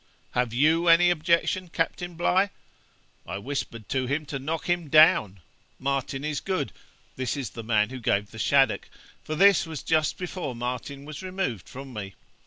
"Have you any objection, Captain Bligh?" I whispered to him to knock him down Martin is good (this is the man who gave the shaddock), for this was just before Martin was removed from me.